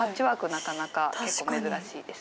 なかなか結構珍しいです